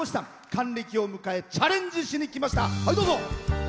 還暦を迎えチャレンジしにきました。